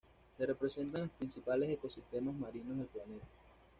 Se representan los principales ecosistemas marinos del planeta.